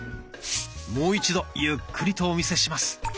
もう一度ゆっくりとお見せします。